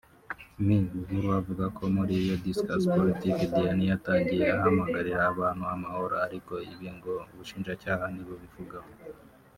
Me Buhuru avuga ko muri iyo ‘discours politique ‘Diane yatangiye ahamagarira abantu amahoro ariko ibi ngo Ubushinjacyaha ntibubivugaho